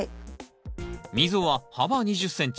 溝は幅２０ｃｍ